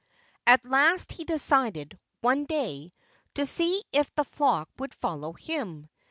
At last he decided, one day, to see if the flock would follow him.